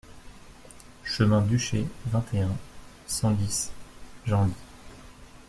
Chemin d'Huchey, vingt et un, cent dix Genlis